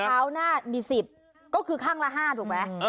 เท้าหน้ามี๑๐ก็คือข้างละ๕ถูกไหม